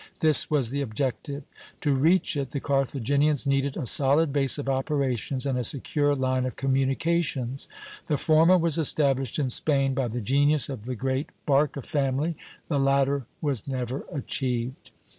This was the objective. To reach it, the Carthaginians needed a solid base of operations and a secure line of communications. The former was established in Spain by the genius of the great Barca family; the latter was never achieved.